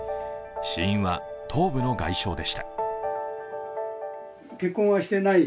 死因は、頭部の外傷でした。